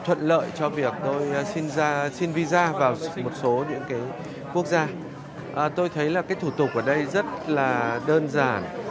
thuận lợi cho việc tôi xin visa vào một số những cái quốc gia tôi thấy là cái thủ tục ở đây rất là đơn giản